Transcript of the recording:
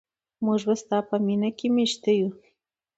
موږ په ستا مینه کې میشته یو.